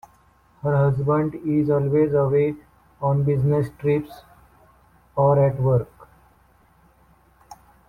Her husband is always away on business trips or at work.